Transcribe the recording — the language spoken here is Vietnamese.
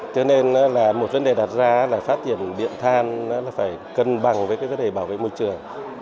cho nên là một vấn đề đặt ra là phát triển điện than phải cân bằng với cái vấn đề bảo vệ môi trường